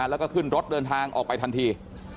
แล้วก็ขึ้นรถเดินทางออกไปทันที